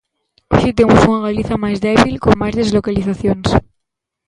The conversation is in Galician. Hoxe temos unha Galiza máis débil, con máis deslocalizacións.